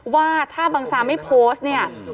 ว่าถ้าบังซาไม่โพสต์